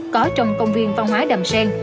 có trong công viên văn hóa đầm sen